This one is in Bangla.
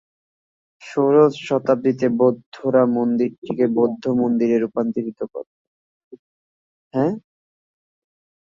ষোড়শ শতাব্দীতে বৌদ্ধরা মন্দিরটিকে বৌদ্ধ মন্দিরে রূপান্তরিত করে।